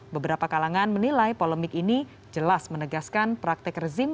beberapa kalangan menilai polemik ini jelas menegaskan praktek rezim